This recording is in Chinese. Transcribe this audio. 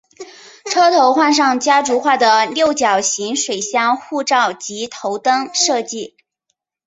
车头换上家族化的六角形水箱护罩及头灯设计。